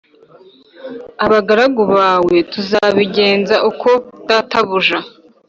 Abagaragu bawe tuzabigenza uko databuja